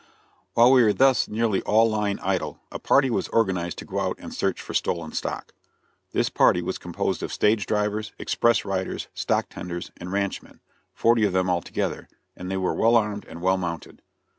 While we were thus nearly all lying idle, a party was organized to go out and search for stolen stock. This party was composed of stage drivers, express riders, stock tenders, and ranchmen forty of them altogether and they were well armed and well mounted.